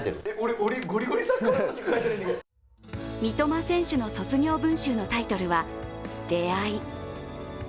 三笘選手の卒業文集のタイトルは「出逢い」